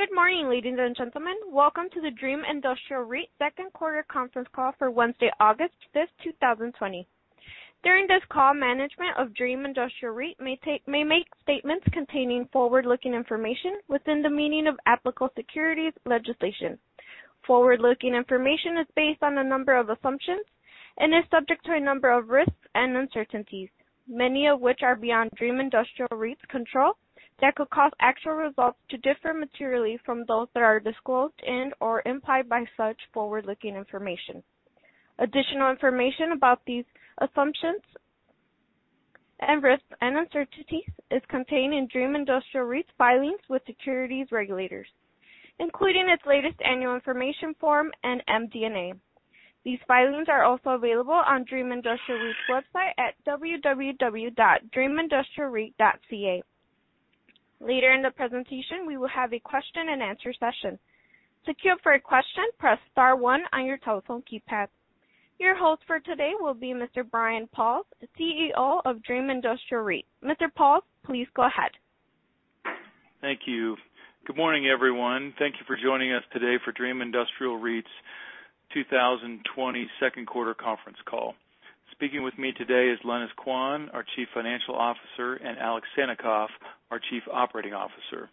Good morning, ladies and gentlemen. Welcome to the Dream Industrial REIT second quarter conference call for Wednesday, August 5, 2020. During this call, management of Dream Industrial REIT may make statements containing forward-looking information within the meaning of applicable securities legislation. Forward-looking information is based on a number of assumptions and is subject to a number of risks and uncertainties, many of which are beyond Dream Industrial REIT's control, that could cause actual results to differ materially from those that are disclosed in or implied by such forward-looking information. Additional information about these assumptions and risks and uncertainties is contained in Dream Industrial REIT's filings with securities regulators, including its latest annual information form and MD&A. These filings are also available on Dream Industrial REIT's website at www.dreamindustrialreit.ca. Later in the presentation, we will have a question-and-answer session. Your host for today will be Mr. Brian Pauls, CEO of Dream Industrial REIT. Mr. Pauls, please go ahead. Thank you. Good morning, everyone. Thank you for joining us today for Dream Industrial REIT's 2020 second quarter conference call. Speaking with me today is Lenis Quan, our Chief Financial Officer, and Alex Sannikov, our Chief Operating Officer.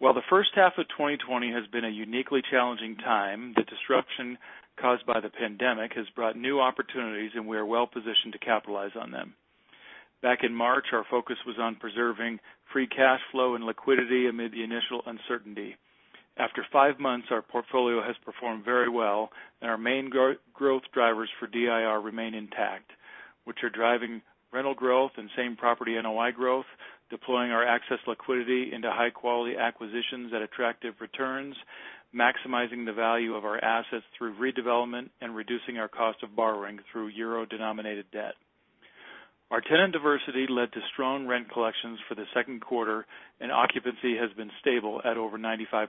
While the first half of 2020 has been a uniquely challenging time, the disruption caused by the pandemic has brought new opportunities, and we are well-positioned to capitalize on them. Back in March, our focus was on preserving free cash flow and liquidity amid the initial uncertainty. After five months, our portfolio has performed very well, and our main growth drivers for DIR remain intact, which are driving rental growth and same property NOI growth, deploying our excess liquidity into high-quality acquisitions at attractive returns, maximizing the value of our assets through redevelopment, and reducing our cost of borrowing through euro-denominated debt. Our tenant diversity led to strong rent collections for the second quarter, and occupancy has been stable at over 95%.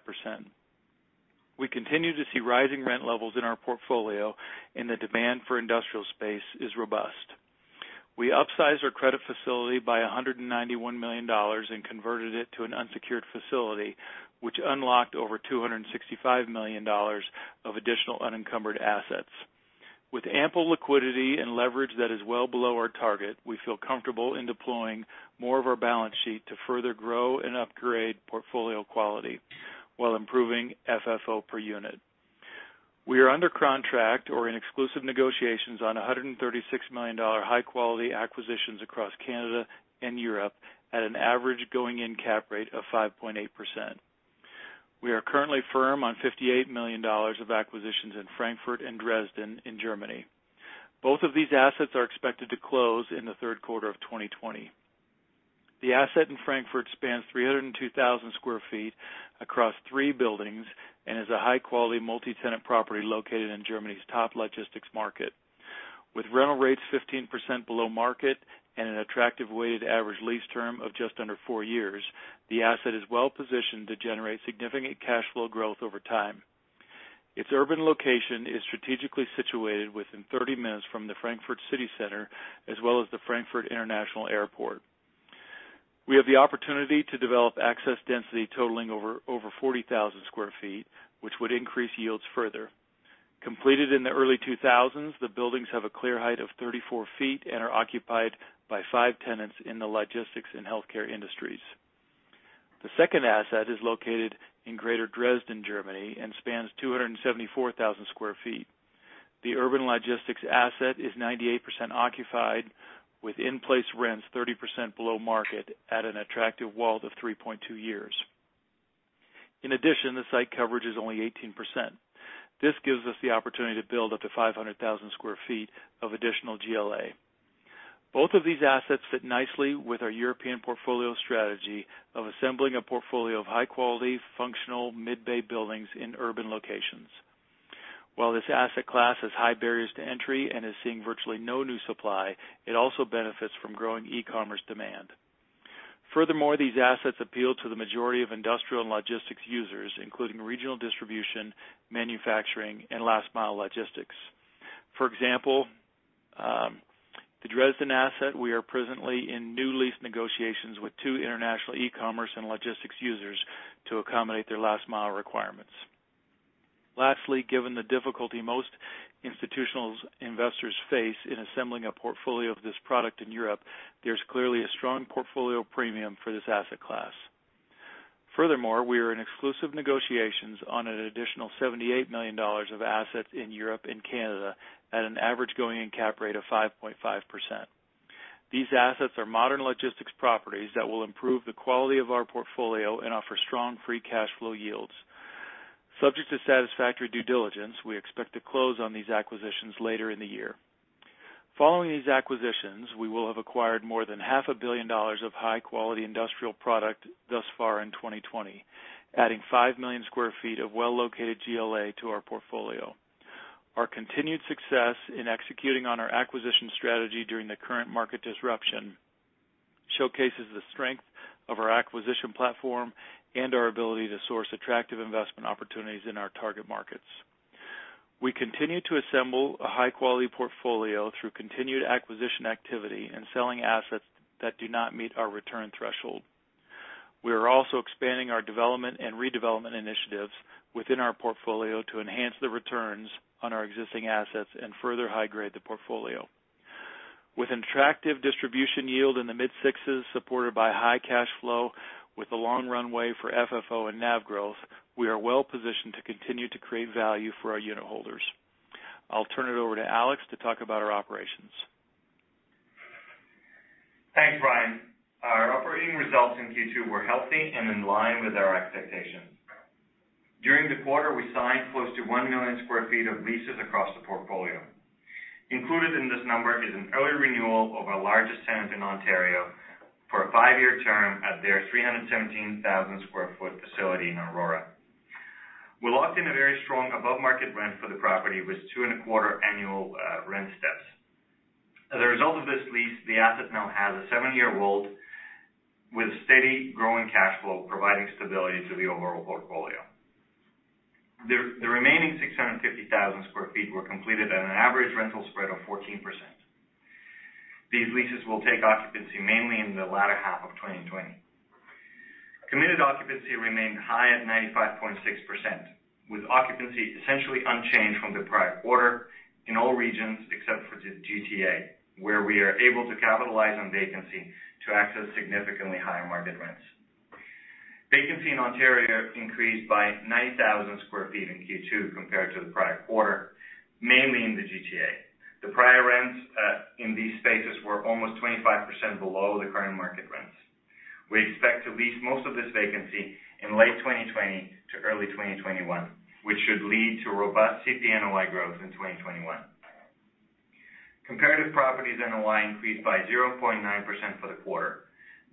We continue to see rising rent levels in our portfolio, and the demand for industrial space is robust. We upsized our credit facility by 191 million dollars and converted it to an unsecured facility, which unlocked over 265 million dollars of additional unencumbered assets. With ample liquidity and leverage that is well below our target, we feel comfortable in deploying more of our balance sheet to further grow and upgrade portfolio quality while improving FFO per unit. We are under contract or in exclusive negotiations on 136 million dollar high-quality acquisitions across Canada and Europe at an average going-in cap rate of 5.8%. We are currently firm on 58 million dollars of acquisitions in Frankfurt and Dresden in Germany. Both of these assets are expected to close in the third quarter of 2020. The asset in Frankfurt spans 302,000 sq ft across three buildings and is a high-quality multi-tenant property located in Germany's top logistics market. With rental rates 15% below market and an attractive weighted average lease term of just under four years, the asset is well positioned to generate significant cash flow growth over time. Its urban location is strategically situated within 30 minutes from the Frankfurt city center as well as the Frankfurt International Airport. We have the opportunity to develop access density totaling over 40,000 sq ft, which would increase yields further. Completed in the early 2000s, the buildings have a clear height of 34 feet and are occupied by five tenants in the logistics and healthcare industries. The second asset is located in greater Dresden, Germany, and spans 274,000 sq ft. The urban logistics asset is 98% occupied, with in-place rents 30% below market at an attractive WALT of 3.2 years. In addition, the site coverage is only 18%. This gives us the opportunity to build up to 500,000 square feet of additional GLA. Both of these assets fit nicely with our European portfolio strategy of assembling a portfolio of high-quality, functional mid-bay buildings in urban locations. While this asset class has high barriers to entry and is seeing virtually no new supply, it also benefits from growing e-commerce demand. Furthermore, these assets appeal to the majority of industrial and logistics users, including regional distribution, manufacturing, and last-mile logistics. For example, the Dresden asset, we are presently in new lease negotiations with two international e-commerce and logistics users to accommodate their last-mile requirements. Lastly, given the difficulty most institutional investors face in assembling a portfolio of this product in Europe, there's clearly a strong portfolio premium for this asset class. Furthermore, we are in exclusive negotiations on an additional 78 million dollars of assets in Europe and Canada at an average going-in cap rate of 5.5%. These assets are modern logistics properties that will improve the quality of our portfolio and offer strong free cash flow yields. Subject to satisfactory due diligence, we expect to close on these acquisitions later in the year. Following these acquisitions, we will have acquired more than half a billion dollars of high-quality industrial product thus far in 2020, adding 5 million sq ft of well-located GLA to our portfolio. Our continued success in executing on our acquisition strategy during the current market disruption showcases the strength of our acquisition platform and our ability to source attractive investment opportunities in our target markets. We continue to assemble a high-quality portfolio through continued acquisition activity and selling assets that do not meet our return threshold. We are also expanding our development and redevelopment initiatives within our portfolio to enhance the returns on our existing assets and further high grade the portfolio. With attractive distribution yield in the mid-sixes, supported by high cash flow with a long runway for FFO and NAV growth, we are well-positioned to continue to create value for our unit holders. I'll turn it over to Alex to talk about our operations. Thanks, Brian. Our operating results in Q2 were healthy and in line with our expectations. During the quarter, we signed close to 1 million square feet of leases across the portfolio. Included in this number is an early renewal of our largest tenant in Ontario for a five-year term at their 317,000 square foot facility in Aurora. We locked in a very strong above-market rent for the property with two and a quarter annual rent steps. As a result of this lease, the asset now has a seven-year roll with a steady growing cash flow, providing stability to the overall portfolio. The remaining 650,000 square feet were completed at an average rental spread of 14%. These leases will take occupancy mainly in the latter half of 2020. Committed occupancy remained high at 95.6%, with occupancy essentially unchanged from the prior quarter in all regions except for the GTA, where we are able to capitalize on vacancy to access significantly higher market rents. Vacancy in Ontario increased by 9,000 square feet in Q2 compared to the prior quarter, mainly in the GTA. The prior rents in these spaces were almost 25% below the current market rents. We expect to lease most of this vacancy in late 2020 to early 2021, which should lead to robust CP NOI growth in 2021. Comparative properties NOI increased by 0.9% for the quarter,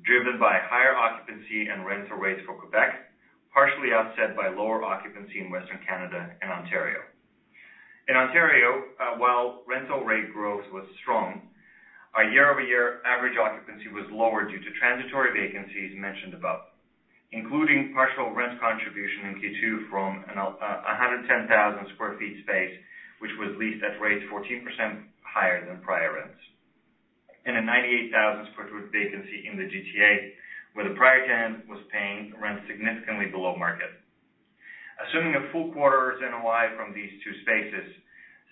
driven by higher occupancy and rental rates for Quebec, partially offset by lower occupancy in Western Canada and Ontario. In Ontario, while rental rate growth was strong, our year-over-year average occupancy was lower due to transitory vacancies mentioned above, including partial rent contribution in Q2 from 110,000 sq ft space, which was leased at rates 14% higher than prior rents. In a 98,000 sq ft vacancy in the GTA, where the prior tenant was paying rent significantly below market. Assuming a full quarter's NOI from these two spaces,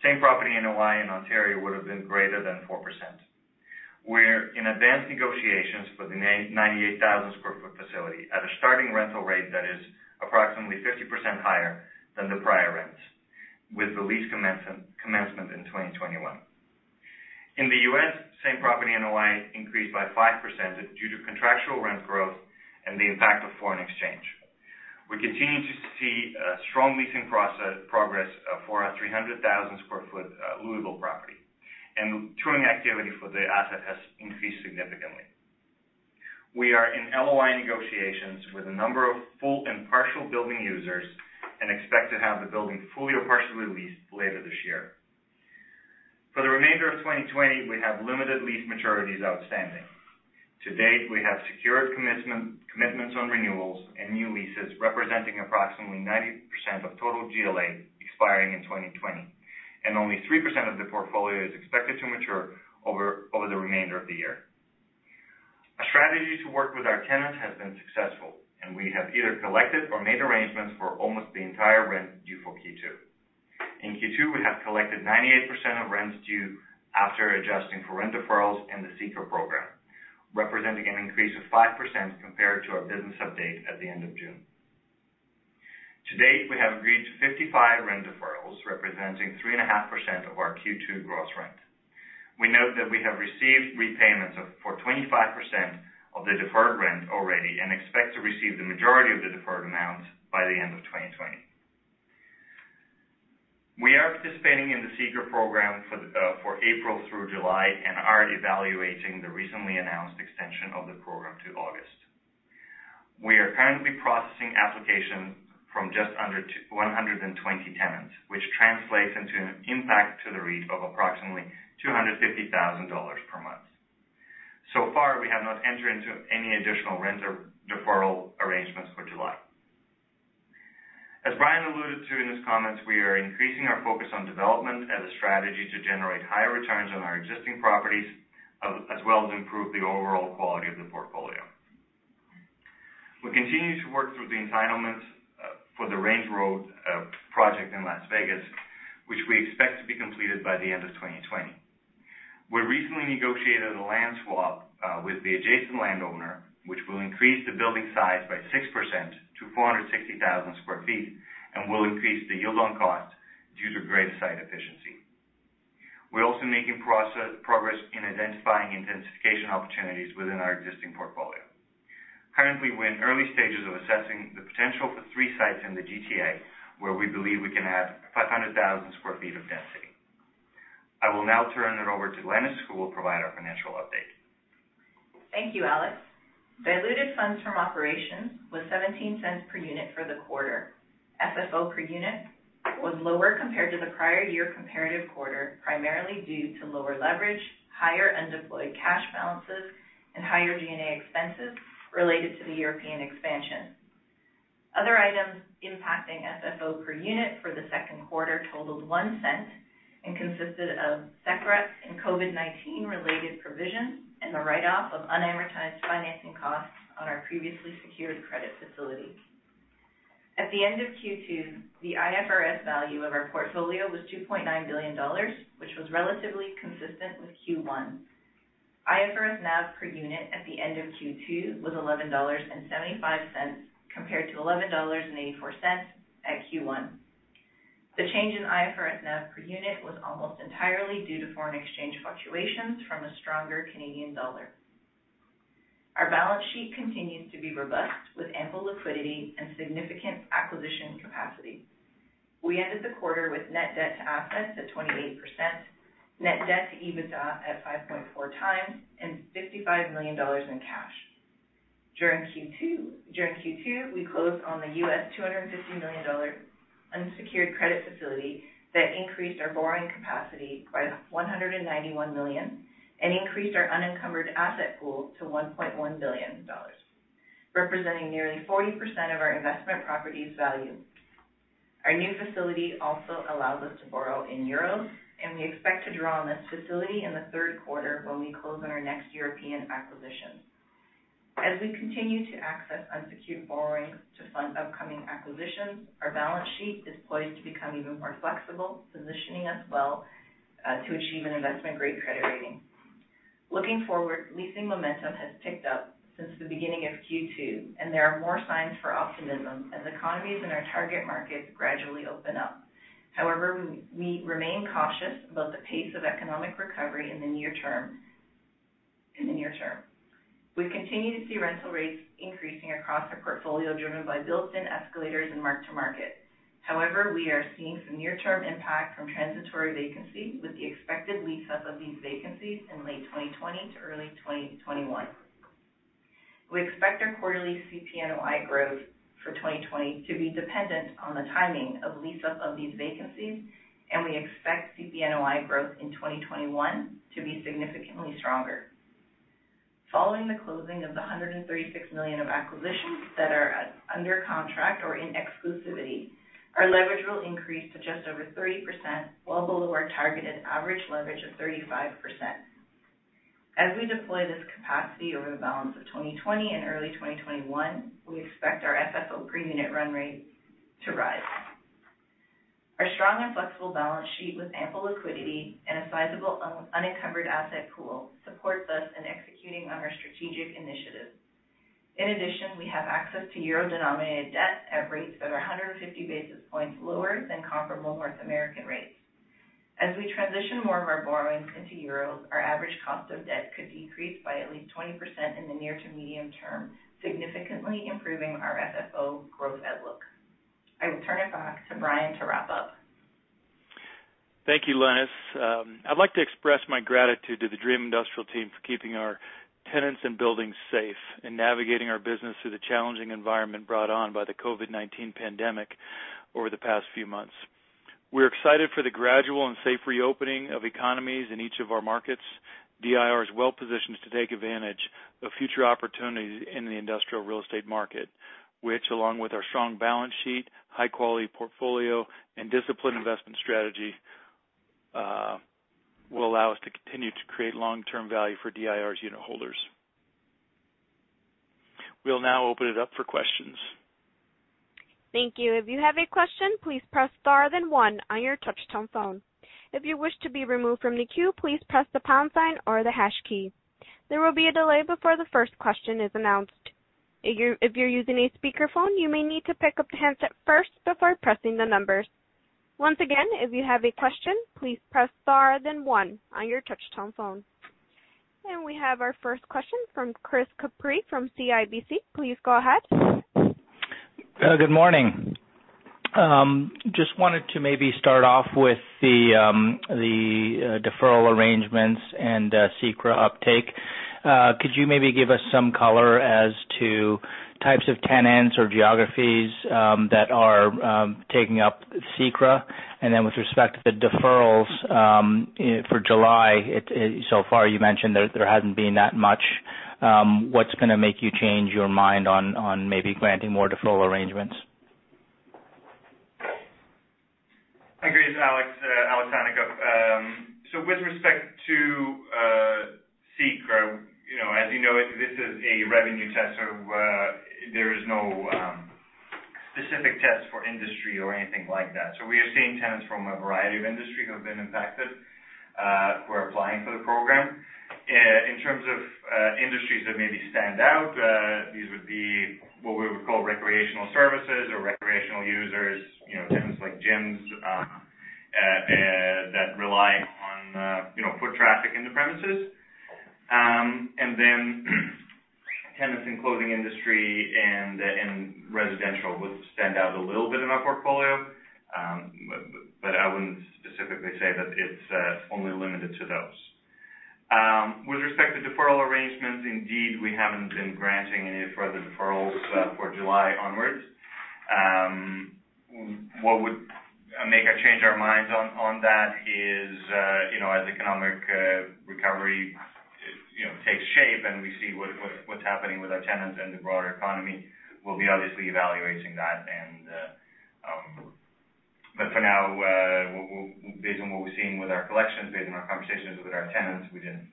same property NOI in Ontario would have been greater than 4%. We're in advanced negotiations for the 98,000 sq ft facility at a starting rental rate that is approximately 50% higher than the prior rents, with the lease commencement in 2021. In the U.S., same property NOI increased by 5% due to contractual rent growth and the impact of foreign exchange. We continue to see strong leasing progress for our 300,000 square foot Louisville property, and touring activity for the asset has increased significantly. We are in LOI negotiations with a number of full and partial building users and expect to have the building fully or partially leased later this year. For the remainder of 2020, we have limited lease maturities outstanding. To date, we have secured commitments on renewals and new leases representing approximately 90% of total GLA expiring in 2020, and only 3% of the portfolio is expected to mature over the remainder of the year. A strategy to work with our tenants has been successful, and we have either collected or made arrangements for almost the entire rent due for Q2. In Q2, we have collected 98% of rents due after adjusting for rent deferrals in the CECRA program, representing an increase of 5% compared to our business update at the end of June. To date, we have agreed to 55 rent deferrals, representing 3.5% of our Q2 gross rent. We note that we have received repayments for 25% of the deferred rent already and expect to receive the majority of the deferred amount by the end of 2020. We are participating in the CECRA program for April through July and are evaluating the recently announced extension of the program to August. We are currently processing applications from just under 120 tenants, which translates into an impact to the REIT of approximately 250,000 dollars per month. We have not entered into any additional rent deferral arrangements for July. As Brian alluded to in his comments, we are increasing our focus on development as a strategy to generate higher returns on our existing properties, as well as improve the overall quality of the portfolio. We continue to work through the entitlements for the Range Road project in Las Vegas, which we expect to be completed by the end of 2020. We recently negotiated a land swap with the adjacent landowner, which will increase the building size by 6% to 460,000 square feet and will increase the yield on cost due to greater site efficiency. We're also making progress in identifying intensification opportunities within our existing portfolio. Currently, we're in early stages of assessing the potential for three sites in the GTA where we believe we can add 500,000 square feet of density. I will now turn it over to Lenis, who will provide our financial update. Thank you, Alex. Diluted funds from operations was 0.17 per unit for the quarter. FFO per unit was lower compared to the prior year comparative quarter, primarily due to lower leverage, higher undeployed cash balances, and higher G&A expenses related to the European expansion. Other items impacting FFO per unit for the second quarter totaled 0.01 and consisted of CECRA and COVID-19 related provisions and the write-off of unamortized financing costs on our previously secured credit facility. At the end of Q2, the IFRS value of our portfolio was 2.9 billion dollars, which was relatively consistent with Q1. IFRS NAV per unit at the end of Q2 was 11.75 dollars compared to 11.84 dollars at Q1. The change in IFRS NAV per unit was almost entirely due to foreign exchange fluctuations from a stronger Canadian dollar. Our balance sheet continues to be robust with ample liquidity and significant acquisition capacity. We ended the quarter with net debt to assets at 28%, net debt to EBITDA at 5.4x, and 55 million dollars in cash. During Q2, we closed on the $250 million unsecured credit facility that increased our borrowing capacity by 191 million and increased our unencumbered asset pool to 1.1 billion dollars, representing nearly 40% of our investment properties value. Our new facility also allows us to borrow in euros, and we expect to draw on this facility in the third quarter when we close on our next European acquisition. As we continue to access unsecured borrowings to fund upcoming acquisitions, our balance sheet is poised to become even more flexible, positioning us well to achieve an investment-grade credit rating. Looking forward, leasing momentum has picked up since the beginning of Q2, and there are more signs for optimism as economies in our target markets gradually open up. We remain cautious about the pace of economic recovery in the near term. We continue to see rental rates increasing across our portfolio driven by built-in escalators and mark-to-market. We are seeing some near-term impact from transitory vacancies with the expected lease up of these vacancies in late 2020 to early 2021. We expect our quarterly CP NOI growth for 2020 to be dependent on the timing of lease up of these vacancies, and we expect CP NOI growth in 2021 to be significantly stronger. Following the closing of the 136 million of acquisitions that are under contract or in exclusivity, our leverage will increase to just over 30%, well below our targeted average leverage of 35%. As we deploy this capacity over the balance of 2020 and early 2021, we expect our FFO per unit run rate to rise. Our strong and flexible balance sheet with ample liquidity and a sizable unencumbered asset pool supports us in executing on our strategic initiatives. In addition, we have access to euro-denominated debt at rates that are 150 basis points lower than comparable North American rates. As we transition more of our borrowings into euro, our average cost of debt could decrease by at least 20% in the near to medium term, significantly improving our FFO growth outlook. I will turn it back to Brian to wrap up. Thank you, Lenis. I'd like to express my gratitude to the Dream Industrial team for keeping our tenants and buildings safe and navigating our business through the challenging environment brought on by the COVID-19 pandemic over the past few months. We're excited for the gradual and safe reopening of economies in each of our markets. DIR is well positioned to take advantage of future opportunities in the industrial real estate market, which along with our strong balance sheet, high-quality portfolio, and disciplined investment strategy, will allow us to continue to create long-term value for DIR's unit holders. We'll now open it up for questions. Thank you. If you have a question, please press star then one on your touch-tone phone. If you wish to be removed from the queue, please press the pound sign or the hash key. There will be a delay before the first question is announced. If you're using a speakerphone, you may need to pick up the handset first before pressing the numbers. Once again, if you have a question, please press star then one on your touch-tone phone. We have our first question from Chris Couprie from CIBC. Please go ahead. Good morning. Just wanted to maybe start off with the deferral arrangements and CECRA uptake. Could you maybe give us some color as to types of tenants or geographies that are taking up CECRA? With respect to the deferrals for July, so far you mentioned that there hasn't been that much. What's going to make you change your mind on maybe granting more deferral arrangements? Hi, Chris. Alex Sannikov. With respect to CECRA, as you know, this is a revenue test. There is no specific test for industry or anything like that. We are seeing tenants from a variety of industry who have been impacted who are applying for the program. In terms of industries that maybe stand out, these would be what we would call recreational services or recreational users, tenants like gyms that rely on foot traffic in the premises. Tenants in clothing industry and residential would stand out a little bit in our portfolio. I wouldn't specifically say that it's only limited to those. With respect to deferral arrangements, indeed, we haven't been granting any further deferrals for July onwards. What would make us change our minds on that is as economic recovery You know, takes shape and we see what's happening with our tenants and the broader economy, we'll be obviously evaluating that. For now, based on what we're seeing with our collections, based on our conversations with our tenants, we didn't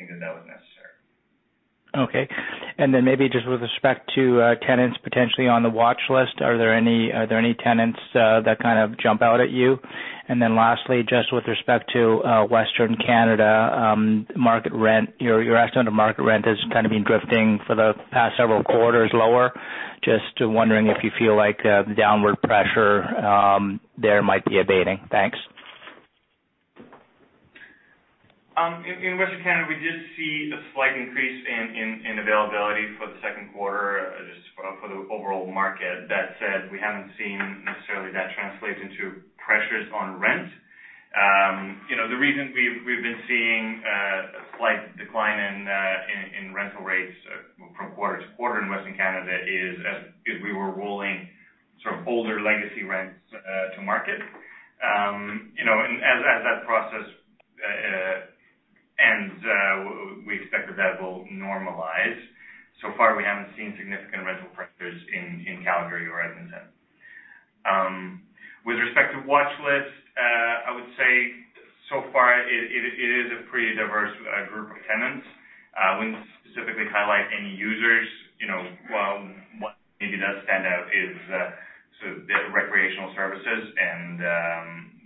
think that that was necessary. Okay. Then maybe just with respect to tenants potentially on the watch list, are there any tenants that kind of jump out at you? Lastly, just with respect to Western Canada, your estimated market rent has kind of been drifting for the past several quarters lower. Just wondering if you feel like downward pressure there might be abating. Thanks. In Western Canada, we did see a slight increase in availability for the second quarter just for the overall market. That said, we haven't seen necessarily that translate into pressures on rent. The reason we've been seeing a slight decline in rental rates from quarter to quarter in Western Canada is as we were rolling sort of older legacy rents to market. As that process ends, we expect that will normalize. So far, we haven't seen significant rental pressures in Calgary or Edmonton. With respect to watch lists, I would say so far it is a pretty diverse group of tenants. We won't specifically highlight any users. While what maybe does stand out is sort of the recreational services, and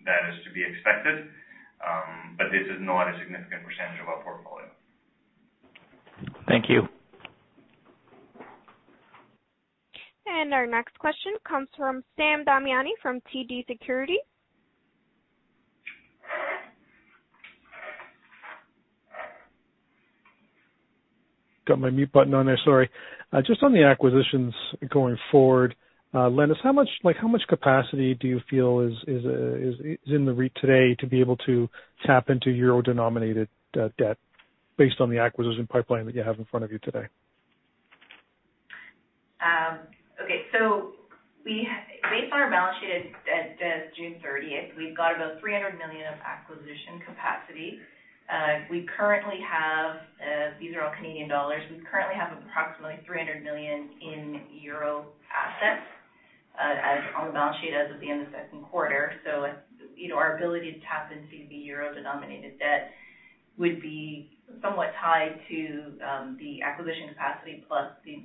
that is to be expected, but this is not a significant percentage of our portfolio. Thank you. Our next question comes from Sam Damiani from TD Securities. Got my mute button on there, sorry. Just on the acquisitions going forward, Lenis, how much capacity do you feel is in the REIT today to be able to tap into euro-denominated debt based on the acquisition pipeline that you have in front of you today? Okay. Based on our balance sheet as of June 30th, we've got about 300 million of acquisition capacity. These are all Canadian dollars. We currently have approximately 300 million euro in assets as on the balance sheet as of the end of the second quarter. Our ability to tap into the euro-denominated debt would be somewhat tied to the acquisition capacity plus the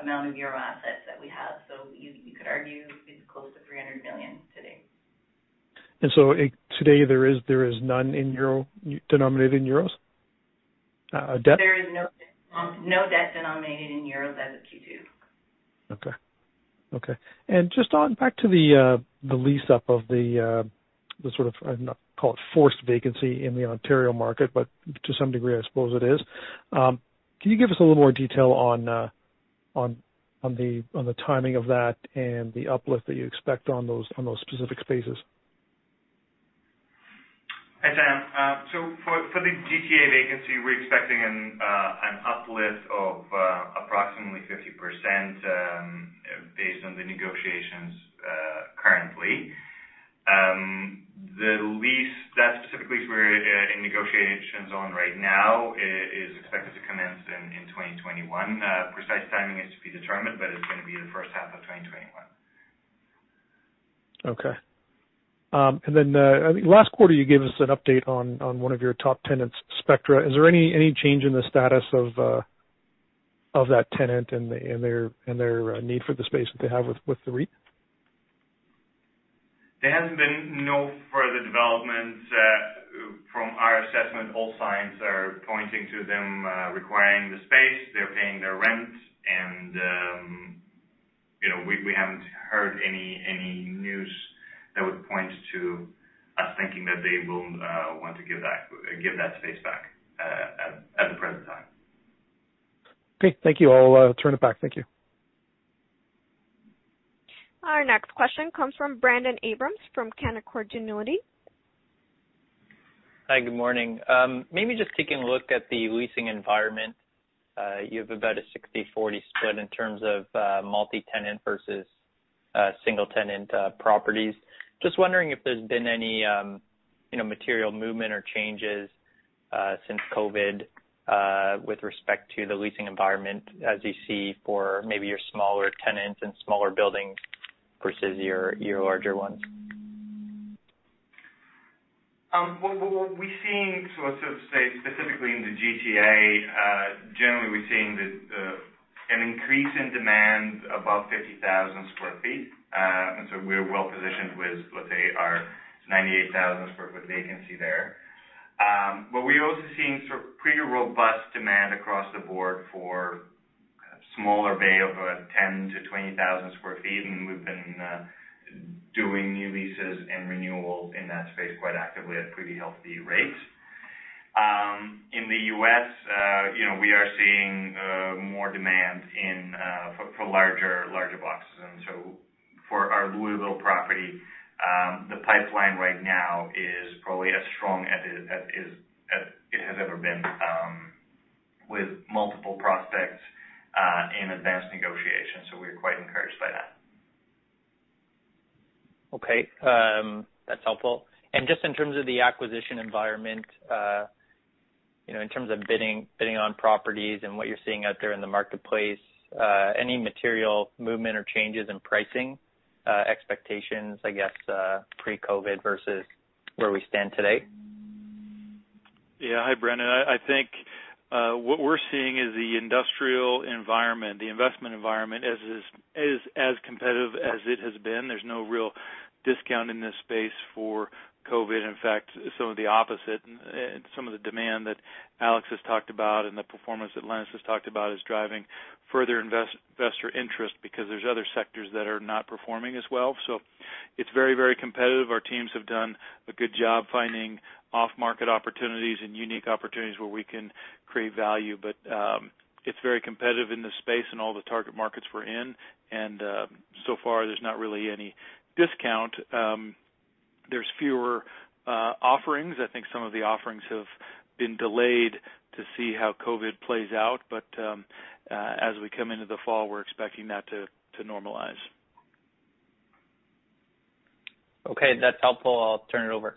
amount of euro assets that we have. You could argue it's close to 300 million today. Today, there is none denominated in euro debt? There is no debt denominated in euro as of Q2. Okay. Just on back to the lease-up of the sort of, I'll call it forced vacancy in the Ontario market, but to some degree, I suppose it is. Can you give us a little more detail on the timing of that and the uplift that you expect on those specific spaces? Hi, Sam. For the GTA vacancy, we're expecting an uplift of approximately 50% based on the negotiations currently. The lease that specifically we're in negotiations on right now is expected to commence in 2021. Precise timing is to be determined, it's going to be in the first half of 2021. Okay. I think last quarter you gave us an update on one of your top tenants, Spectra. Is there any change in the status of that tenant and their need for the space that they have with the REIT? There has been no further developments. From our assessment, all signs are pointing to them requiring the space. They're paying their rent, and we haven't heard any news that would point to us thinking that they will want to give that space back at the present time. Okay, thank you. I'll turn it back. Thank you. Our next question comes from Brendon Abrams from Canaccord Genuity. Hi, good morning. Maybe just taking a look at the leasing environment. You have about a 60/40 split in terms of multi-tenant versus single-tenant properties. Just wondering if there's been any material movement or changes since COVID with respect to the leasing environment as you see for maybe your smaller tenants and smaller buildings versus your larger ones. What we're seeing, so I'll sort of say specifically in the GTA, generally we're seeing an increase in demand above 50,000 sq ft. We're well positioned with, let's say our 98,000 sq ft vacancy there. We're also seeing sort of pretty robust demand across the board for kind of smaller bay over at 10,000-20,000 sq ft, and we've been doing new leases and renewals in that space quite actively at pretty healthy rates. In the U.S., we are seeing more demand for larger boxes. For our Louisville property, the pipeline right now is probably as strong as it has ever been, with multiple prospects in advanced negotiations. We are quite encouraged by that. Okay. That's helpful. Just in terms of the acquisition environment, in terms of bidding on properties and what you're seeing out there in the marketplace, any material movement or changes in pricing expectations, I guess, pre-COVID versus where we stand today? Yeah. Hi, Brendon. I think what we're seeing is the industrial environment, the investment environment is as competitive as it has been. There's no real discount in this space for COVID. In fact, some of the opposite, and some of the demand that Alex has talked about and the performance that Lenis has talked about is driving further investor interest because there's other sectors that are not performing as well. It's very competitive. Our teams have done a good job finding off-market opportunities and unique opportunities where we can create value. It's very competitive in the space and all the target markets we're in. So far, there's not really any discount. There's fewer offerings. I think some of the offerings have been delayed to see how COVID plays out. As we come into the fall, we're expecting that to normalize. Okay, that's helpful. I'll turn it over.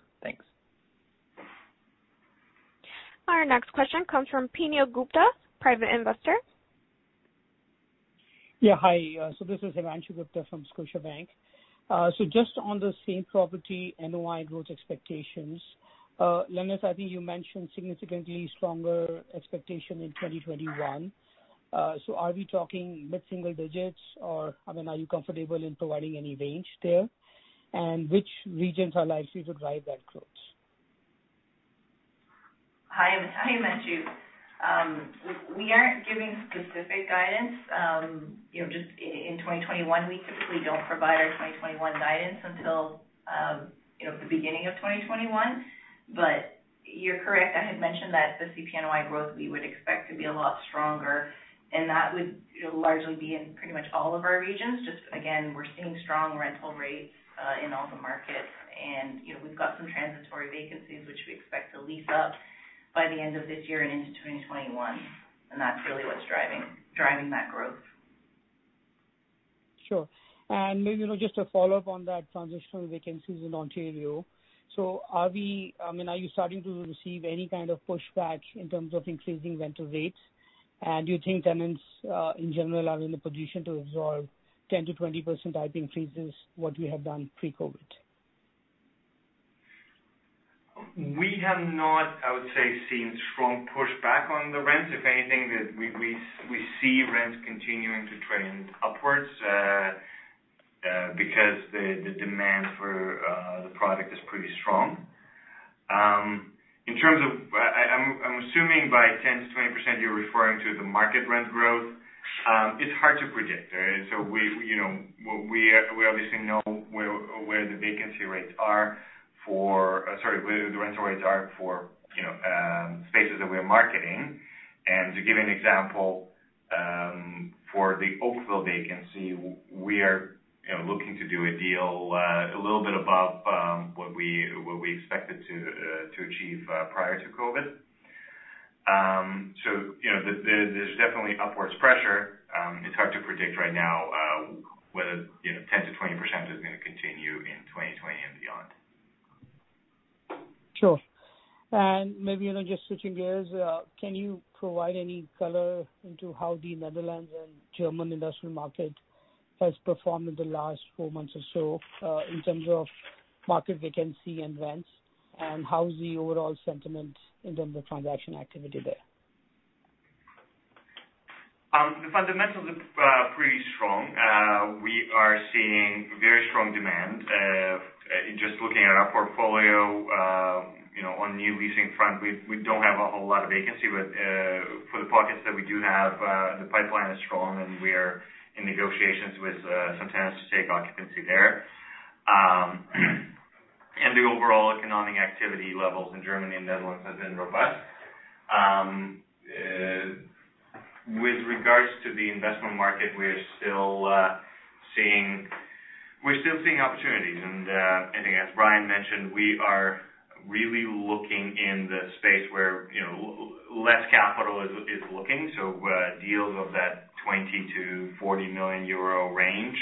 Thanks. Our next question comes from Himanshu Gupta, Scotiabank. Yeah. Hi. This is Himanshu Gupta from Scotiabank. Just on the same property NOI growth expectations. Lenis, I think you mentioned significantly stronger expectation in 2021. Are we talking mid-single digits? Or are you comfortable in providing any range there? Which regions are likely to drive that growth? Hi, Himanshu. We aren't giving specific guidance. In 2021, we typically don't provide our 2021 guidance until the beginning of 2021. You're correct, I had mentioned that the CP NOI growth we would expect to be a lot stronger, and that would largely be in pretty much all of our regions. Again, we're seeing strong rental rates in all the markets. We've got some transitory vacancies, which we expect to lease up by the end of this year and into 2021. That's really what's driving that growth. Sure. Maybe just a follow-up on that transitional vacancies in Ontario. Are you starting to receive any kind of pushback in terms of increasing rental rates? Do you think tenants, in general, are in a position to absorb 10%-20% type increases what you have done pre-COVID? We have not, I would say, seen strong pushback on the rents. If anything, we see rents continuing to trend upwards because the demand for the product is pretty strong. I'm assuming by 10%-20%, you're referring to the market rent growth. It's hard to predict. We obviously know where the vacancy rates are. Sorry, where the rental rates are for spaces that we are marketing. To give you an example, for the Oakville vacancy, we are looking to do a deal a little bit above what we expected to achieve prior to COVID-19. There's definitely upwards pressure. It's hard to predict right now whether 10%-20% is going to continue in 2020 and beyond. Sure. Maybe just switching gears, can you provide any color into how the Netherlands and German industrial market has performed in the last four months or so in terms of market vacancy and rents? How is the overall sentiment in terms of transaction activity there? The fundamentals look pretty strong. We are seeing very strong demand. Just looking at our portfolio on new leasing front, we don't have a whole lot of vacancy. For the pockets that we do have, the pipeline is strong and we're in negotiations with some tenants to take occupancy there. The overall economic activity levels in Germany and Netherlands have been robust. With regards to the investment market, we're still seeing opportunities. I think as Brian mentioned, we are really looking in the space where less capital is looking. Deals of that 20 million-40 million euro range.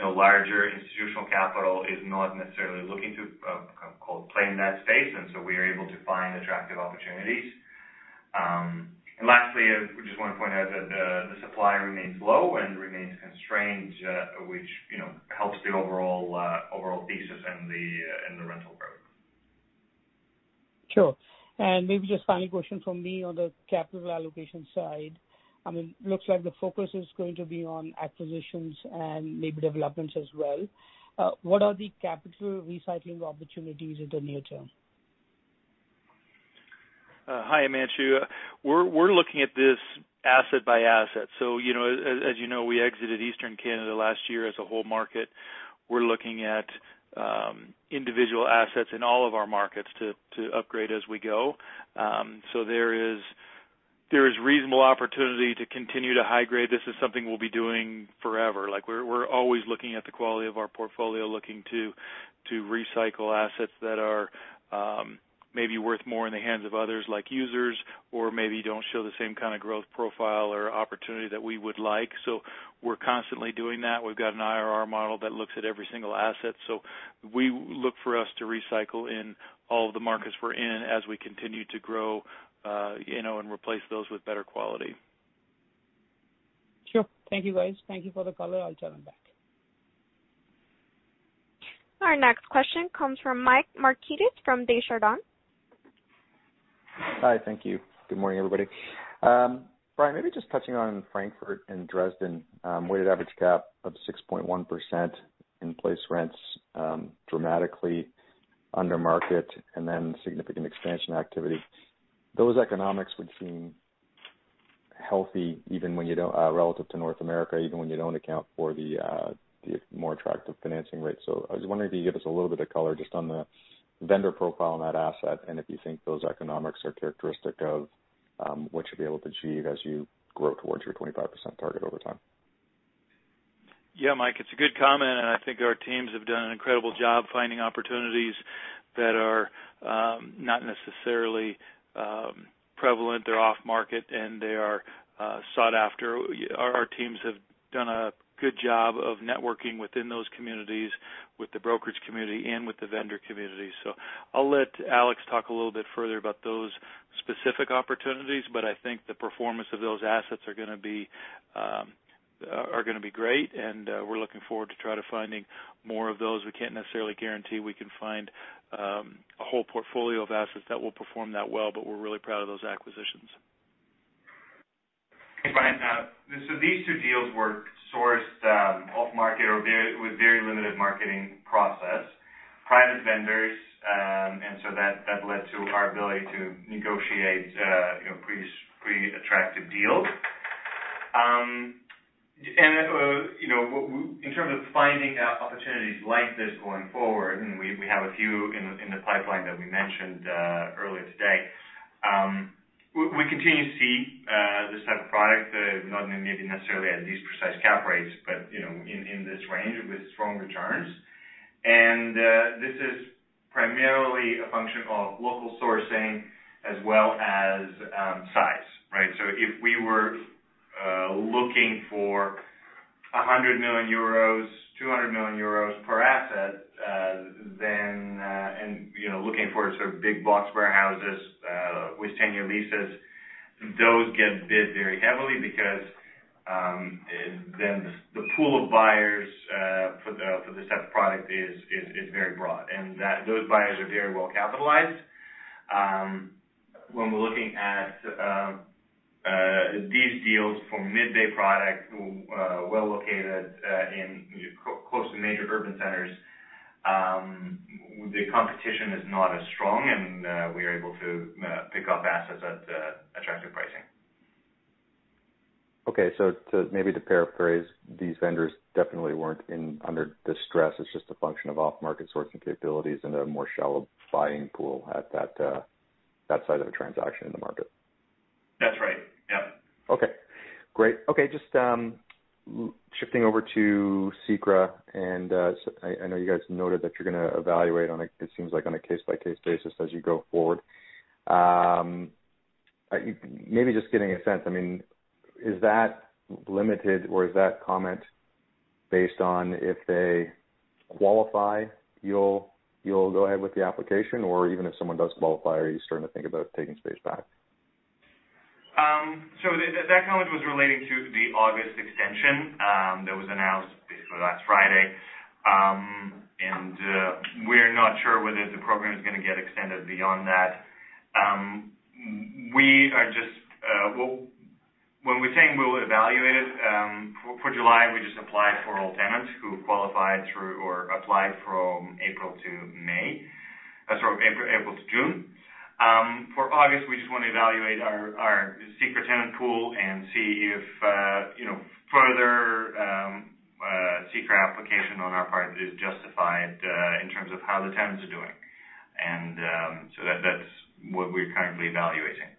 Larger institutional capital is not necessarily looking to play in that space, and so we are able to find attractive opportunities. Lastly, we just want to point out that the supply remains low and remains constrained, which helps the overall thesis and the rental growth. Sure. Maybe just final question from me on the capital allocation side. It looks like the focus is going to be on acquisitions and maybe developments as well. What are the capital recycling opportunities in the near term? Hi, Himanshu. We're looking at this asset by asset. As you know, we exited Eastern Canada last year as a whole market. We're looking at individual assets in all of our markets to upgrade as we go. There is reasonable opportunity to continue to high grade. This is something we'll be doing forever. We're always looking at the quality of our portfolio, looking to recycle assets that are maybe worth more in the hands of others, like users, or maybe don't show the same kind of growth profile or opportunity that we would like. We're constantly doing that. We've got an IRR model that looks at every single asset. We look for us to recycle in all of the markets we're in as we continue to grow, and replace those with better quality. Sure. Thank you, guys. Thank you for the color. I'll chime in back. Our next question comes from Mike Markidis from Desjardins. Hi. Thank you. Good morning, everybody. Brian, maybe just touching on Frankfurt and Dresden, weighted average cap of 6.1% in place rents dramatically under market and then significant expansion activity. Those economics would seem healthy relative to North America, even when you don't account for the more attractive financing rates. I was wondering if you could give us a little bit of color just on the vendor profile on that asset, and if you think those economics are characteristic of what you'll be able to achieve as you grow towards your 25% target over time. Yeah, Mike, it's a good comment, and I think our teams have done an incredible job finding opportunities that are not necessarily prevalent or off-market, and they are sought after. Our teams have done a good job of networking within those communities, with the brokerage community and with the vendor community. I'll let Alex talk a little bit further about those specific opportunities, but I think the performance of those assets are going to be great, and we're looking forward to try to finding more of those. We can't necessarily guarantee we can find a whole portfolio of assets that will perform that well, but we're really proud of those acquisitions. Hey, Brian. These two deals were sourced off-market with very limited marketing process. Private vendors, that led to our ability to negotiate pretty attractive deals. In terms of finding opportunities like this going forward, we have a few in the pipeline that we mentioned earlier today. We continue to see this type of product, not maybe necessarily at these precise cap rates, but in this range with strong returns. This is primarily a function of local sourcing as well as size. Right? If we were looking for 100 million euros, 200 million euros per asset, and looking for sort of big box warehouses with 10-year leases, those get bid very heavily because then the pool of buyers for this type of product is very broad, and those buyers are very well capitalized. When we're looking at these deals for mid-bay product, well located close to major urban centers, the competition is not as strong, and we are able to pick up assets at attractive pricing. Maybe to paraphrase, these vendors definitely weren't under distress. It's just a function of off-market sourcing capabilities and a more shallow buying pool at that side of a transaction in the market. That's right. Yep. Okay. Great. Okay, just shifting over to CECRA. I know you guys noted that you're going to evaluate it seems like on a case-by-case basis as you go forward. Maybe just getting a sense, is that limited or is that comment based on if they qualify, you'll go ahead with the application? Even if someone does qualify, are you starting to think about taking space back? That comment was relating to the August extension that was announced basically last Friday. We're not sure whether the program is going to get extended beyond that. When we're saying we will evaluate it for July, we just applied for all tenants who qualified through or applied from April to June. For August, we just want to evaluate our CECRA tenant pool and see if further CECRA application on our part is justified in terms of how the tenants are doing. That's what we're currently evaluating.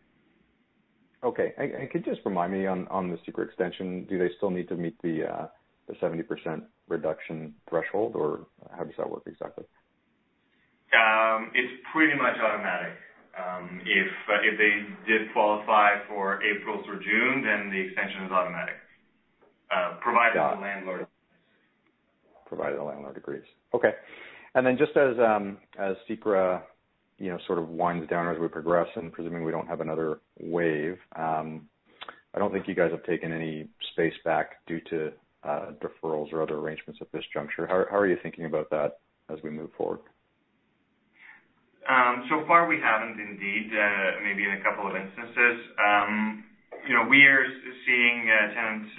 Okay. Could you just remind me on the CECRA extension, do they still need to meet the 70% reduction threshold, or how does that work exactly? It's pretty much automatic. If they did qualify for April through June, then the extension is automatic. Provided the landlord agrees. Provided the landlord agrees. Okay. Just as CECRA sort of winds down as we progress and presuming we don't have another wave, I don't think you guys have taken any space back due to deferrals or other arrangements at this juncture. How are you thinking about that as we move forward? So far, we haven't, indeed. Maybe in a couple of instances. We are seeing tenants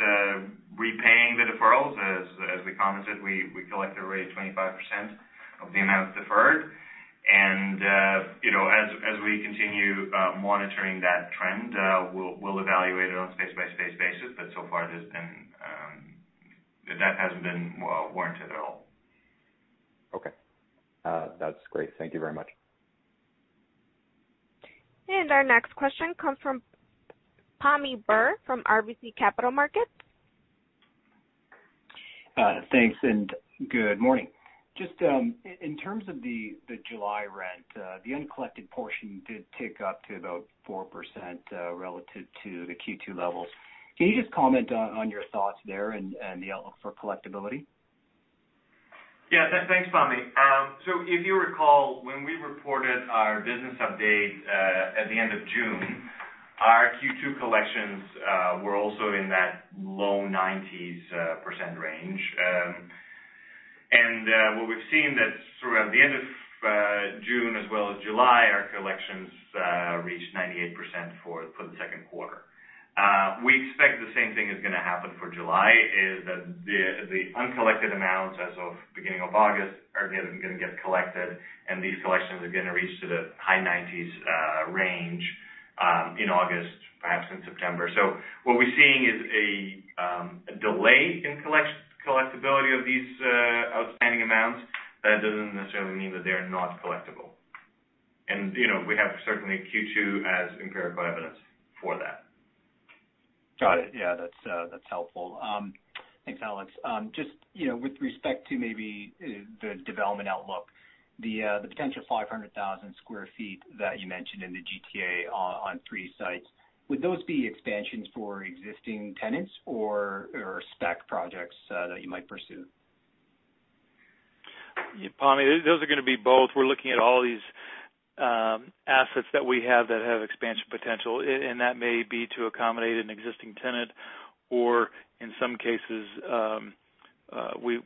repaying the deferrals. As we commented, we collect around 25% of the amount deferred. As we continue monitoring that trend, we'll evaluate it on a space-by-space basis, but so far that hasn't been warranted at all. Okay. That's great. Thank you very much. Our next question comes from Pammi Bir from RBC Capital Markets. Thanks. Good morning. Just in terms of the July rent, the uncollected portion did tick up to about 4% relative to the Q2 levels. Can you just comment on your thoughts there and the outlook for collectability? Yeah, thanks, Pammi. If you recall, when we reported our business update at the end of June, our Q2 collections were also in that low 90%s range. What we've seen that sort of at the end of June as well as July, our collections reached 98% for the second quarter. We expect the same thing is going to happen for July, is that the uncollected amounts as of beginning of August are going to get collected, and these collections are going to reach to the high 90s range, in August, perhaps in September. What we're seeing is a delay in collectability of these outstanding amounts. That doesn't necessarily mean that they are not collectible. We have certainly Q2 as empirical evidence for that. Got it. Yeah, that's helpful. Thanks, Alex. Just with respect to maybe the development outlook, the potential 500,000 sq ft that you mentioned in the GTA on three sites, would those be expansions for existing tenants or spec projects that you might pursue? Pammi, those are going to be both. We're looking at all these assets that we have that have expansion potential, and that may be to accommodate an existing tenant or in some cases,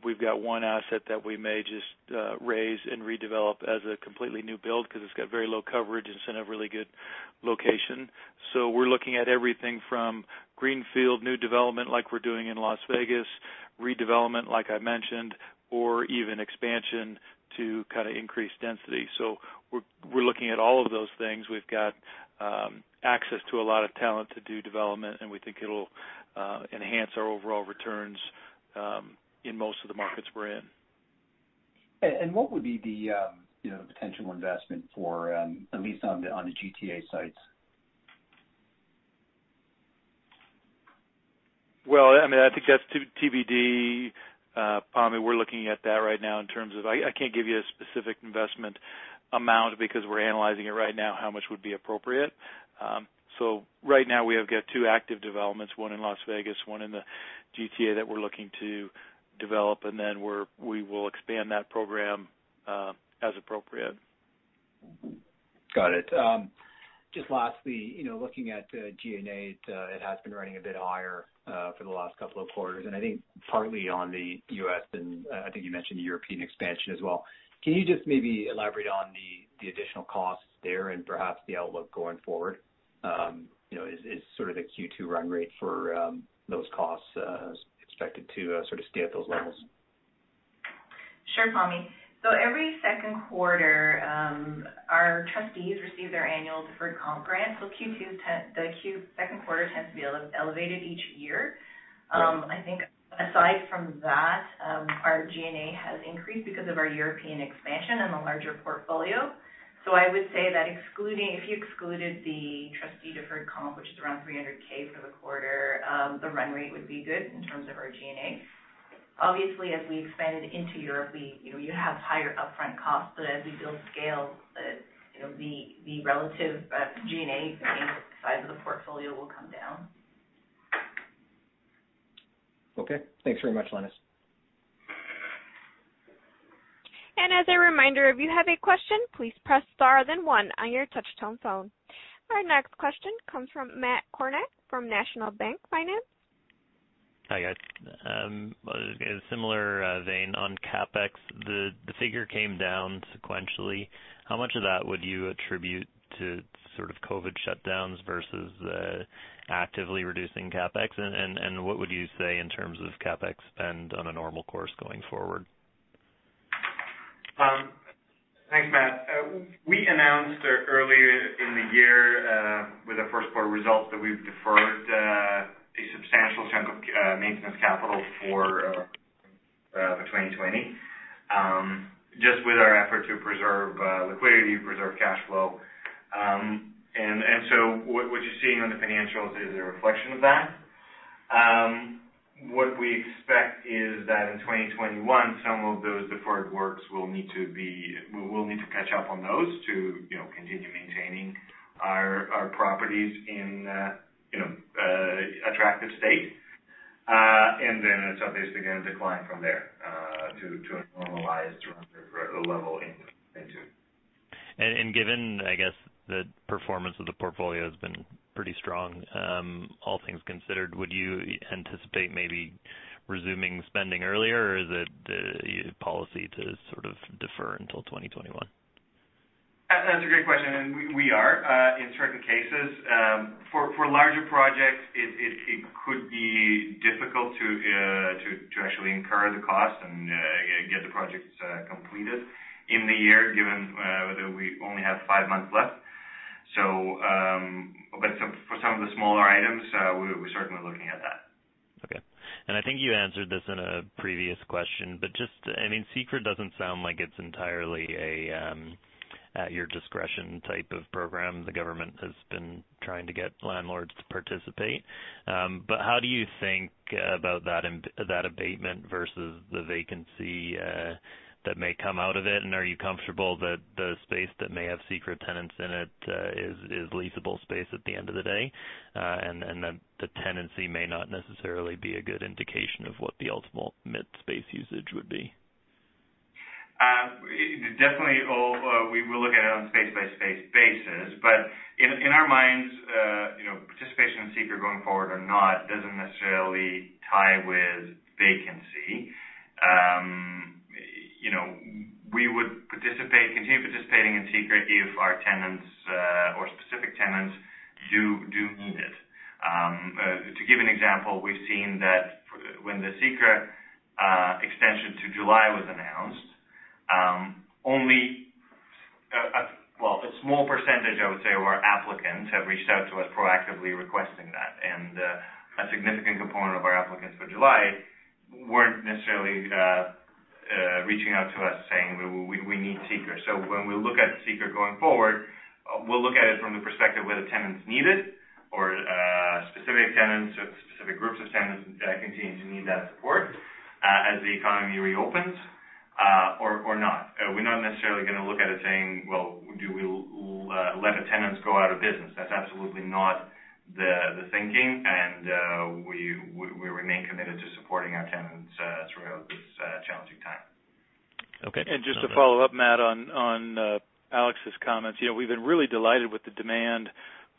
we've got one asset that we may just raze and redevelop as a completely new build because it's got very low coverage and it's in a really good location. We're looking at everything from greenfield new development like we're doing in Las Vegas, redevelopment, like I mentioned, or even expansion to kind of increase density. We're looking at all of those things. We've got access to a lot of talent to do development, and we think it'll enhance our overall returns in most of the markets we're in. What would be the potential investment for, at least on the GTA sites? Well, I think that's TBD, Pammi. We're looking at that right now. I can't give you a specific investment amount because we're analyzing it right now, how much would be appropriate. Right now we have got two active developments, one in Las Vegas, one in the GTA, that we're looking to develop, and then we will expand that program as appropriate. Got it. Just lastly, looking at G&A, it has been running a bit higher for the last couple of quarters, and I think partly on the U.S., and I think you mentioned European expansion as well. Can you just maybe elaborate on the additional costs there and perhaps the outlook going forward? Is sort of the Q2 run rate for those costs expected to sort of stay at those levels? Sure, Pammi. Every second quarter, our trustees receive their annual deferred comp grant. Q2, the second quarter, tends to be elevated each year. Right. I think aside from that, our G&A has increased because of our European expansion and the larger portfolio. I would say that if you excluded the trustee deferred comp, which is around 300 thousand for the quarter, the run rate would be good in terms of our G&A. Obviously, as we expanded into Europe, you have higher upfront costs, but as we build scale, the relative G&A percentage size of the portfolio will come down. Okay. Thanks very much, Lenis. As a reminder, if you have a question, please press star then one on your touch-tone phone. Our next question comes from Matt Kornack from National Bank Financial. Hi, guys. A similar vein on CapEx. The figure came down sequentially. How much of that would you attribute to sort of COVID shutdowns versus actively reducing CapEx? What would you say in terms of CapEx spend on a normal course going forward? Thanks, Matt. We announced earlier in the year with our first quarter results that we've deferred a substantial chunk of maintenance capital for 2020, just with our effort to preserve liquidity, preserve cash flow. What you're seeing on the financials is a reflection of that. What we expect is that in 2021, some of those deferred works we'll need to catch up on those to continue maintaining our properties in attractive state. It's obviously going to decline from there to a normalized level. Given, I guess, the performance of the portfolio has been pretty strong, all things considered, would you anticipate maybe resuming spending earlier, or is it policy to sort of defer until 2021? That's a great question, and we are, in certain cases. For larger projects, it could be difficult to actually incur the cost and get the projects completed in the year, given that we only have five months left. For some of the smaller I think you answered this in a previous question, but just, CECRA doesn't sound like it's entirely at your discretion type of program. The government has been trying to get landlords to participate. How do you think about that abatement versus the vacancy that may come out of it, and are you comfortable that the space that may have CECRA tenants in it is leasable space at the end of the day, and then the tenancy may not necessarily be a good indication of what the ultimate mid space usage would be? Definitely. Well, we will look at it on a space-by-space basis. In our minds, participation in CECRA going forward or not doesn't necessarily tie with vacancy. We would continue participating in CECRA if our tenants or specific tenants do need it. To give an example, we've seen that when the CECRA extension to July was announced, only a small percentage, I would say, of our applicants have reached out to us proactively requesting that. A significant component of our applicants for July weren't necessarily reaching out to us saying, "We need CECRA." When we look at CECRA going forward, we'll look at it from the perspective whether tenants need it or specific tenants or specific groups of tenants continue to need that support as the economy reopens or not. We're not necessarily going to look at it saying, "Well, do we let the tenants go out of business?" That's absolutely not the thinking. We remain committed to supporting our tenants throughout this challenging time. Okay. Just to follow up, Matt, on Alex's comments. We've been really delighted with the demand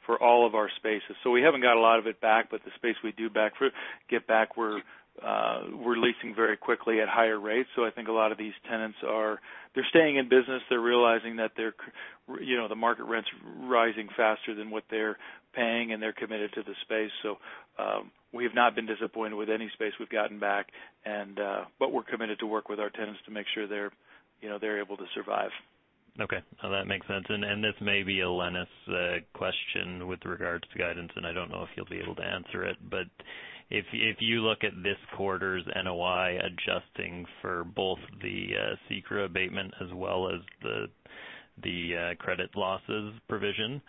for all of our spaces. We haven't got a lot of it back, but the space we do get back, we're leasing very quickly at higher rates. I think a lot of these tenants are staying in business. They're realizing that the market rent's rising faster than what they're paying, and they're committed to the space. We have not been disappointed with any space we've gotten back. We're committed to work with our tenants to make sure they're able to survive. Okay. No, that makes sense. This may be a Lenis question with regards to guidance, and I don't know if you'll be able to answer it. If you look at this quarter's NOI adjusting for both the CECRA abatement as well as the credit losses provision,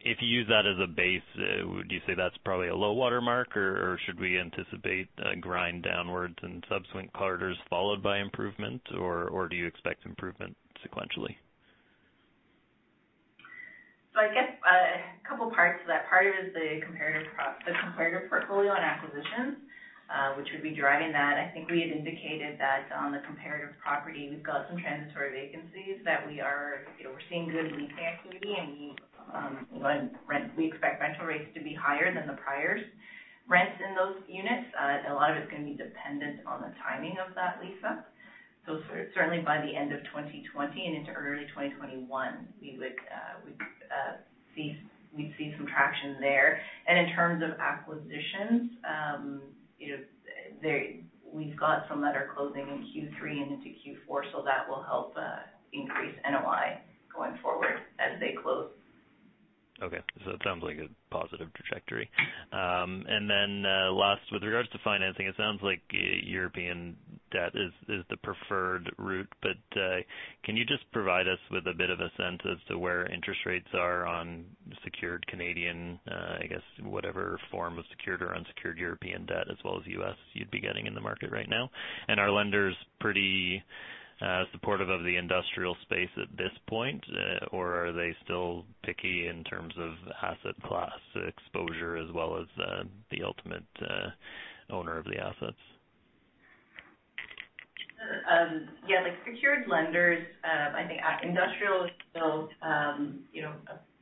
if you use that as a base, would you say that's probably a low water mark, or should we anticipate a grind downwards in subsequent quarters followed by improvement, or do you expect improvement sequentially? I guess a couple parts to that. Part of it is the comparative portfolio and acquisitions, which would be driving that. I think we had indicated that on the comparative property, we've got some transitory vacancies that we're seeing good leasing activity, and we expect rental rates to be higher than the prior rents in those units. A lot of it's going to be dependent on the timing of that lease-up. Certainly by the end of 2020 and into early 2021, we'd see some traction there. In terms of acquisitions, we've got some that are closing in Q3 and into Q4, that will help increase NOI going forward as they close. Okay. It sounds like a positive trajectory. Last, with regards to financing, it sounds like European debt is the preferred route, but can you just provide us with a bit of a sense as to where interest rates are on secured Canadian, I guess whatever form of secured or unsecured European debt as well as U.S. you'd be getting in the market right now? Are lenders pretty supportive of the industrial space at this point, or are they still picky in terms of asset class exposure as well as the ultimate owner of the assets? Yeah. Secured lenders, I think industrial is still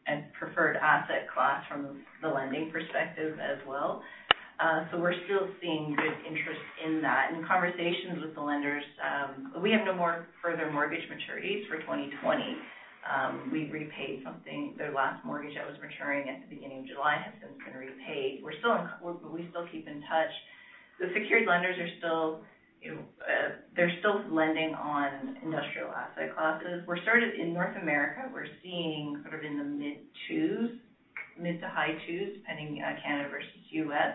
a preferred asset class from the lending perspective as well. We're still seeing good interest in that. In conversations with the lenders, we have no more further mortgage maturities for 2020. We repaid something, the last mortgage that was maturing at the beginning of July has since been repaid. We still keep in touch. The secured lenders are still lending on industrial asset classes. We're started in North America. We're seeing sort of in the mid twos, mid to high twos, depending Canada versus U.S.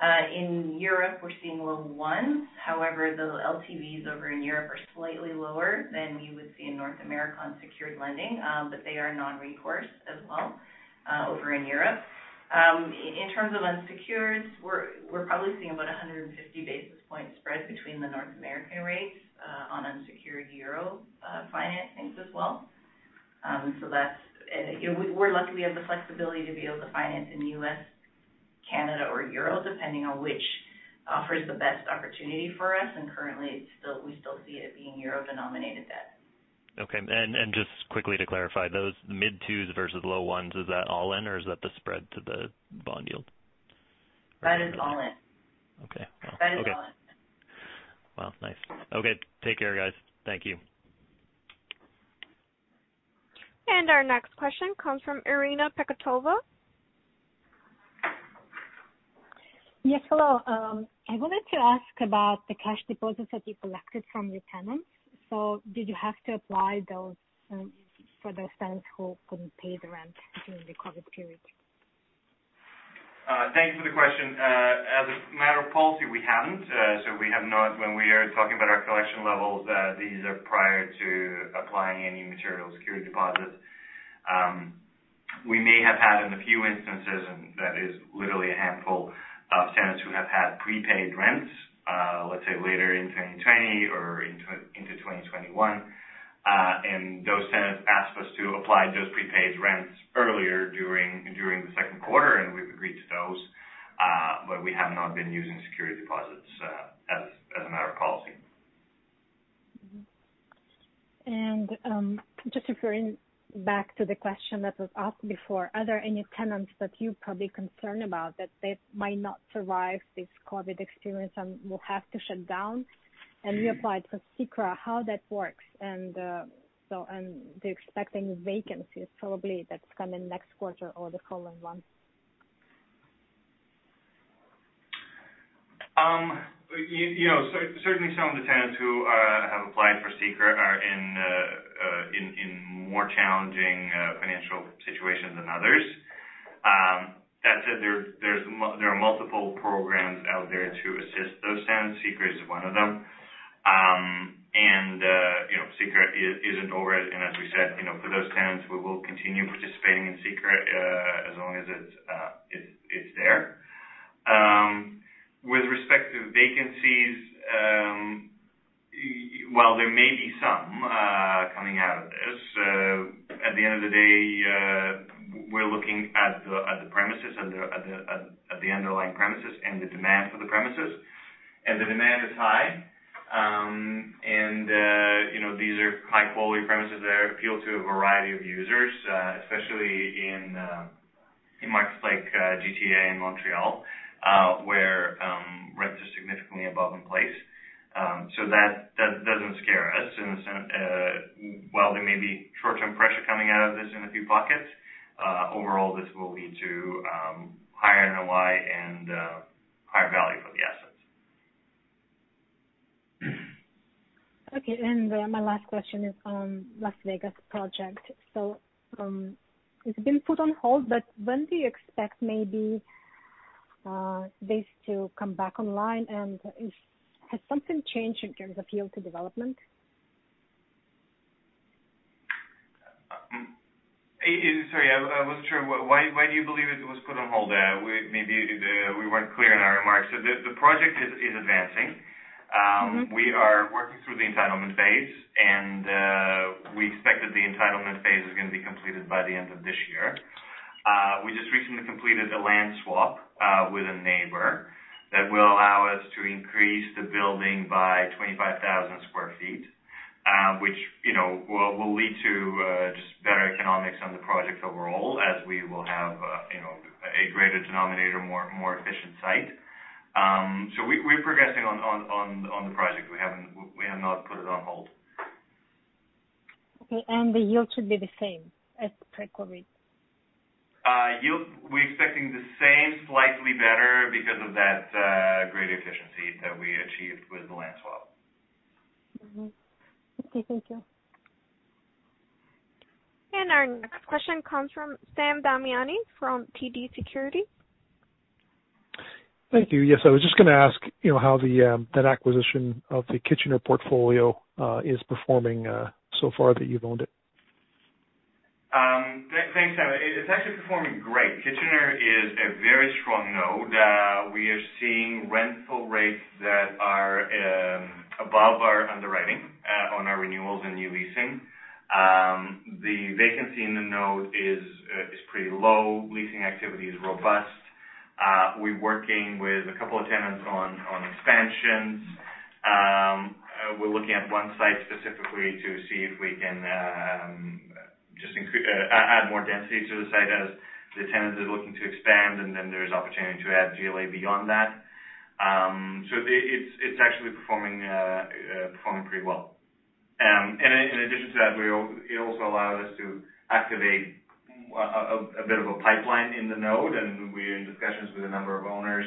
In Europe, we're seeing low ones. However, the LTVs over in Europe are slightly lower than you would see in North America on secured lending, but they are non-recourse as well over in Europe. In terms of unsecured, we're probably seeing about 150 basis point spread between the North American rates on unsecured euro financings as well. We're lucky we have the flexibility to be able to finance in U.S., Canada, or euro, depending on which offers the best opportunity for us, and currently, we still see it being euro-denominated debt. Okay. Just quickly to clarify, those mid twos versus low ones, is that all in or is that the spread to the bond yield? That is all in. Okay. That is all in. Well, nice. Okay. Take care, guys. Thank you. Our next question comes from Irina Pekhutova. Yes, hello. I wanted to ask about the cash deposits that you collected from your tenants. Did you have to apply For those tenants who couldn't pay the rent during the COVID-19 period. Thanks for the question. As a matter of policy, we haven't. We have not, when we are talking about our collection levels, these are prior to applying any material security deposits. We may have had in a few instances, and that is literally a handful of tenants who have had prepaid rents, let's say later in 2020 or into 2021. Those tenants asked us to apply those prepaid rents earlier during the second quarter, and we've agreed to those. We have not been using security deposits as a matter of policy. Mm-hmm. Just referring back to the question that was asked before, are there any tenants that you're probably concerned about that they might not survive this COVID experience and will have to shut down? You applied for CECRA, how that works. They're expecting vacancies probably that's coming next quarter or the following one. Certainly some of the tenants who have applied for CECRA are in more challenging financial situations than others. That said, there are multiple programs out there to assist those tenants. CECRA is one of them. CECRA isn't over, and as we said, for those tenants, we will continue participating in CECRA, as long as it's there. With respect to vacancies, while there may be some coming out of this, at the end of the day, we're looking at the premises, at the underlying premises and the demand for the premises. The demand is high. These are high-quality premises that appeal to a variety of users, especially in markets like GTA and Montreal, where rents are significantly above in place. That doesn't scare us in the sense, while there may be short-term pressure coming out of this in a few pockets, overall, this will lead to higher NOI and higher value for the assets. Okay, my last question is on Las Vegas project. It's been put on hold, but when do you expect maybe this to come back online, and has something changed in terms of yield to development? Sorry, I wasn't sure. Why do you believe it was put on hold there? Maybe we weren't clear in our remarks. The project is advancing. We are working through the entitlement phase. We expect that the entitlement phase is going to be completed by the end of this year. We just recently completed a land swap with a neighbor that will allow us to increase the building by 25,000 sq ft, which will lead to just better economics on the project overall as we will have a greater denominator, more efficient site. We're progressing on the project. We have not put it on hold. Okay, the yield should be the same as pre-COVID? Yield, we're expecting the same, slightly better because of that greater efficiency that we achieved with the land swap. Mm-hmm. Okay. Thank you. Our next question comes from Sam Damiani from TD Securities. Thank you. Yes, I was just going to ask how that acquisition of the Kitchener portfolio is performing so far that you've owned it. Thanks, Sam. It's actually performing great. Kitchener is a very strong node. We are seeing rental rates that are above our underwriting on our renewals and new leasing. The vacancy in the node is pretty low. Leasing activity is robust. We're working with a couple of tenants on expansions. We're looking at one site specifically to see if we can add more density to the site as the tenant is looking to expand, and then there's opportunity to add GLA beyond that. It's actually performing pretty well. In addition to that, it also allows us to activate a bit of a pipeline in the node, and we're in discussions with a number of owners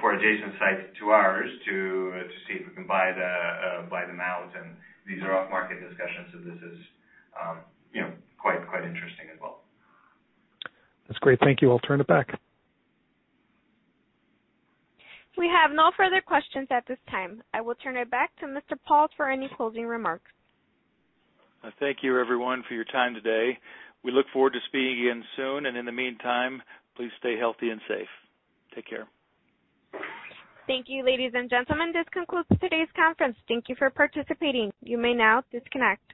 for adjacent sites to ours to see if we can buy them out. These are off-market discussions, so this is quite interesting as well. That's great. Thank you. I'll turn it back. We have no further questions at this time. I will turn it back to Brian Pauls for any closing remarks. Thank you, everyone, for your time today. We look forward to speaking again soon, and in the meantime, please stay healthy and safe. Take care. Thank you, ladies and gentlemen. This concludes today's conference. Thank you for participating. You may now disconnect.